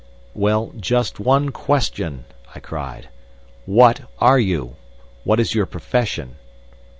"Well, just one question," I cried. "What are you? What is your profession?"